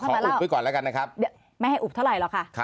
ไม่ให้อุบเท่าไหร่หรอกค่ะ